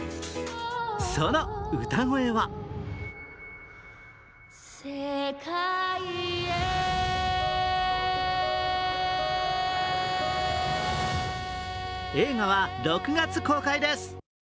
その歌声は映画は６月公開です。